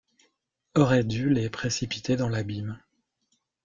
aurait dû les précipiter dans l’abîme!